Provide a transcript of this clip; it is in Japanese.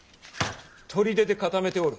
砦で固めておる。